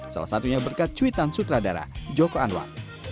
salah satunya berkat cuitan sutradara joko anwar